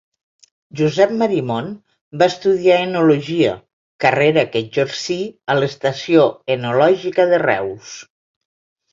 Josep Marimon va estudiar Enologia, carrera que exercí a l'Estació Enològica de Reus.